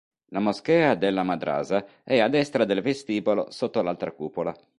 La Moschea della Madrasa è a destra del vestibolo sotto l'altra cupola.